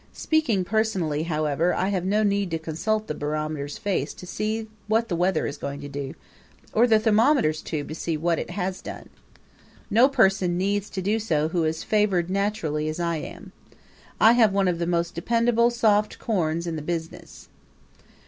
Speaking personally, however, I have no need to consult the barometer's face to see what the weather is going to do, or the thermometer's tube to see what it has done. No person needs to do so who is favored naturally as I am. I have one of the most dependable soft corns in the business.